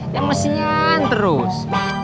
yang mesinnya terus